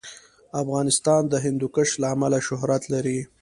افغانستان د هندوکش له امله شهرت لري.